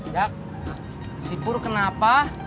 jack si pur kenapa